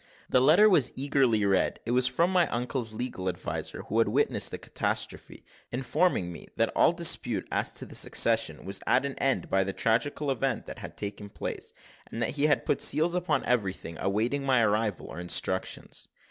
The letter was eagerly read it was from my uncle's legal adviser, who had witnessed the catastrophe, informing me, that all dispute as to the succession was at an end by the tragical event that had taken place, and that he had put seals upon everything awaiting my arrival or instructions.